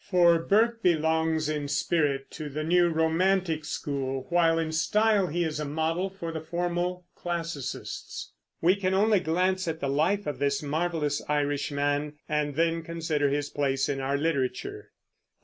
For Burke belongs in spirit to the new romantic school, while in style he is a model for the formal classicists. We can only glance at the life of this marvelous Irishman, and then consider his place in our literature.